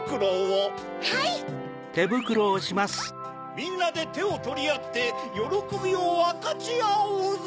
みんなでてをとりあってよろこびをわかちあおうぞ！